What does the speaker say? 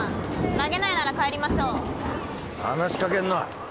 投げないなら帰りましょう話しかけんな